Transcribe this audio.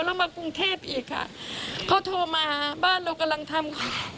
แล้วมากรุงเทพอีกค่ะเขาโทรมาบ้านเรากำลังทำ